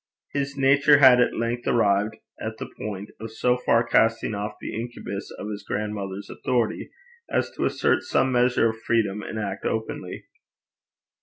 His nature had at length arrived at the point of so far casting off the incubus of his grandmother's authority as to assert some measure of freedom and act openly.